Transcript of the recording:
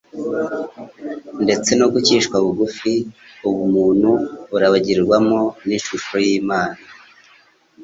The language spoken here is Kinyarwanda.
ndetse no gucishwa bugufi : ubumuntu burabagiranirwamo n'ishusho y'Imana